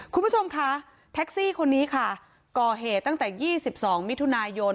คุณผู้ชมคะแท็กซี่คนนี้ค่ะก่อเหตุตั้งแต่๒๒มิถุนายน